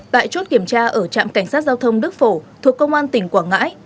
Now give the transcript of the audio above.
tại chốt kiểm tra ở trạm cảnh sát giao thông đức phổ thuộc công an tỉnh quảng ngãi